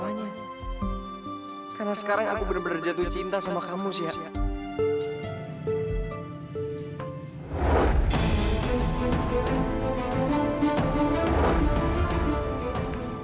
karena sekarang aku bener bener jatuh cinta sama kamu sih